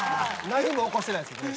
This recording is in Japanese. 何も起こしてないんですけどね。